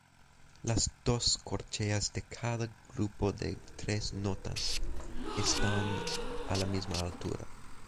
Las dos corcheas de cada grupo de tres notas están a la misma altura.